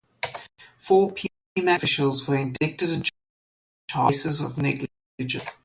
Four Pemex officials were indicted and charged, on the basis of negligence.